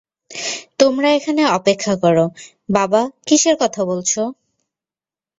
তোমরা এখানে অপেক্ষা কর - বাবা, কিসের কথা বলছ?